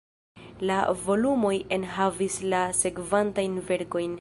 La volumoj enhavis la sekvantajn verkojn.